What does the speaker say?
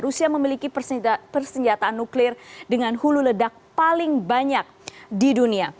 rusia memiliki persenjataan nuklir dengan hulu ledak paling banyak di dunia